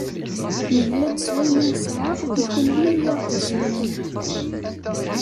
Negla-d s wayen i nesɛa, i kunwi i aɣ-d-isellen.